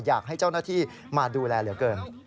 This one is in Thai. อยากให้เจ้าหน้าที่มาดูแลเหลือเกิน